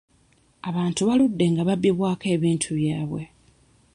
Abantu baludde nga babbibwako ebintu byabwe.